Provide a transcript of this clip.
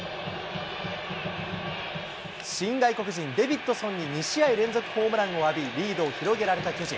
新外国人、デビッドソンに２試合連続ホームランを浴び、リードを広げられた巨人。